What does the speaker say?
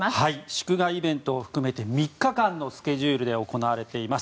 祝賀イベントを含めて３日間のスケジュールで行われています。